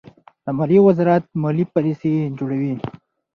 د مالیې وزارت مالي پالیسۍ جوړوي.